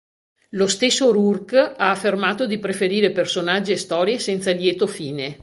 Lo stesso Rourke ha affermato di "preferire personaggi e storie senza lieto fine.